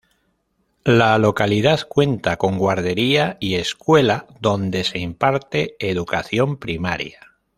La localidad cuenta con guardería y escuela donde se imparte educación primaria.